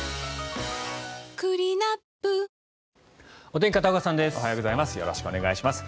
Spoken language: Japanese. おはようございます。